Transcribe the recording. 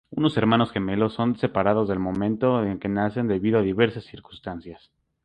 Unos hermanos gemelos son separados al momento de nacer debido a diversas circunstancias.